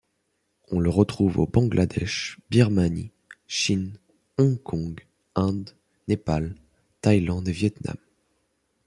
On le trouve au Bangladesh, Birmanie, Chine, Hong Kong, Inde, Népal, Thaïlande et Vietnam.